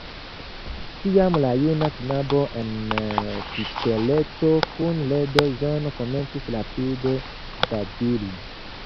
Tiam la juna knabo en kiteleto kun leda zono komencis rapide babili.